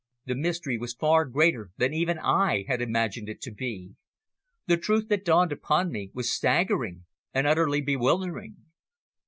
The mystery was far greater than even I had imagined it to be. The truth that dawned upon me was staggering and utterly bewildering.